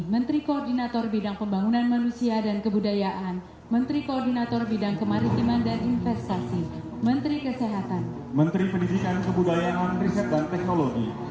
menteri pendidikan kebudayaan riset dan teknologi